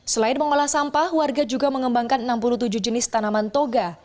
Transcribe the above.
selain mengolah sampah warga juga mengembangkan enam puluh tujuh jenis tanaman toga